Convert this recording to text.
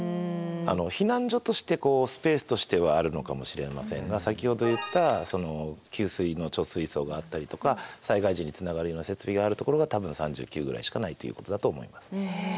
避難所としてスペースとしてはあるのかもしれませんが先ほど言った給水の貯水槽があったりとか災害時につながるような設備があるところが多分３９ぐらいしかないということだと思います。